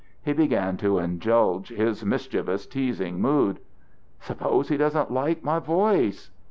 He began to indulge his mischievous, teasing mood: "Suppose he doesn't like my voice!"